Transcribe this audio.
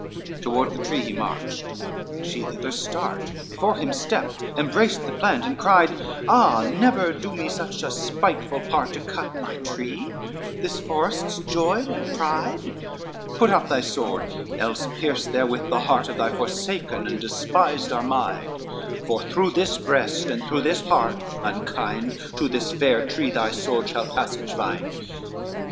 XXXIV Toward the tree he marched, she thither start, Before him stepped, embraced the plant and cried, "Ah, never do me such a spiteful part, To cut my tree, this forest's joy and pride, Put up thy sword, else pierce therewith the heart Of thy forsaken and despised Armide; For through this breast, and through this heart unkind To this fair tree thy sword shall passage find."